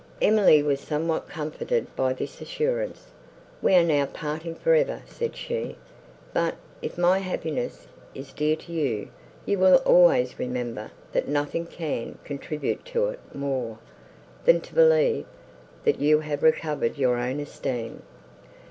Emily was somewhat comforted by this assurance. "We are now parting for ever," said she; "but, if my happiness is dear to you, you will always remember, that nothing can contribute to it more, than to believe, that you have recovered your own esteem."